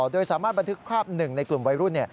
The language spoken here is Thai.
โดยสามารถบันทึกภาพหนึ่งในกลุ่มวัยรุ่น